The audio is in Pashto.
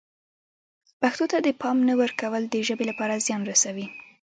پښتو ته د پام نه ورکول د ژبې لپاره زیان رسوي.